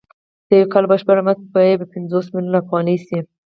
د یو کال بشپړ مزد به یې پنځوس میلیونه افغانۍ شي